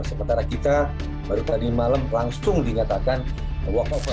sementara kita baru tadi malam langsung dinyatakan walkover